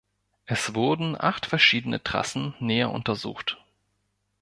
Es wurden acht verschiedene Trassen näher untersucht.